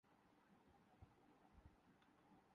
ایک ہی سکرپٹ ہے۔